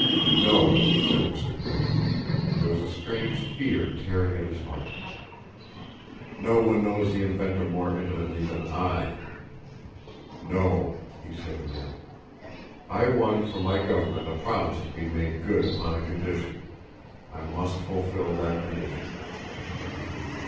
"No," said Mr. Grimm. There was a strange fear tearing at his heart, "No one knows the inventor more intimately than I." "No," he said again. "I won from my government a promise to be made good upon a condition I must fulfil that condition."